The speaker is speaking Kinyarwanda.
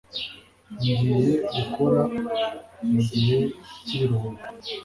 ngiye gukora mugihe cyibiruhuko